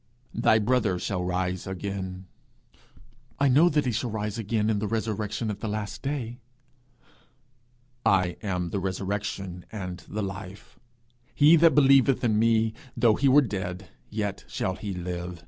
'Thy brother shall rise again.' 'I know that he shall rise again in the resurrection at the last day.' 'I am the resurrection, and the life: he that believeth in me, though he were dead, yet shall he live.